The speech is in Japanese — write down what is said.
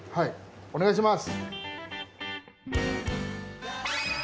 お願いします。